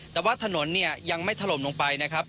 แต่ว่าถนนเนี่ยยังไม่ถล่มลงไปนะครับ